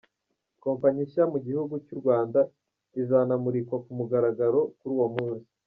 kompanyi nshya mu gihugu cy’u Rwanda izanamurikwa ku mugaragaro kuri uwo munsi.